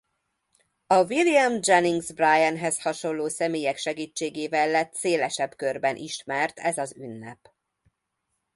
A William Jennings Bryanhez hasonló személyek segítségével lett szélesebb körben ismert ez az ünnep.